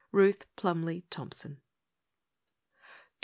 RUTH PLUMLY THOMPSON 254 S.